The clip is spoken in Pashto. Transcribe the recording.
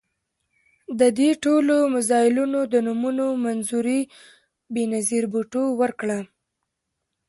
د دې ټولو میزایلونو د نومونو منظوري بېنظیر بوټو ورکړه.